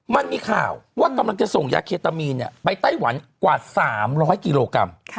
มันมีข่าวว่ากำลังจะส่งยาเคตามีนเนี้ยไปไต้หวันกว่าสามร้อยกิโลกรัมค่ะ